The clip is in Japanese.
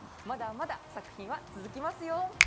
まだまだ作品は続きますよ。